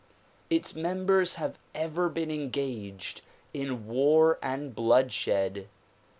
Its members have ever been engaged in war and bloodshed.